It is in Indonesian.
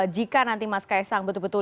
jika nanti mas ks sang betul betul